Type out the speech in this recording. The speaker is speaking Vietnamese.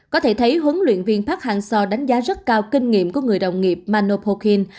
có thể thấy huấn luyện viên park hang seo đánh giá rất cao kinh nghiệm của người đồng nghiệp manopokin